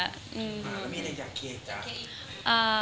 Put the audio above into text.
แล้วมีอะไรอยากเคลียร์จัง